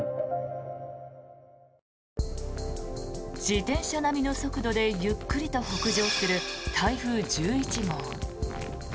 自転車並みの速度でゆっくりと北上する台風１１号。